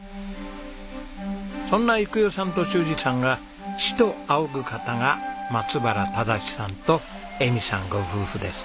そんな育代さんと修二さんが師と仰ぐ方が松原正さんと恵美さんご夫婦です。